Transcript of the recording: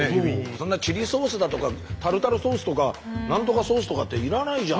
そんなチリソースだとかタルタルソースとかなんとかソースとかっていらないじゃん。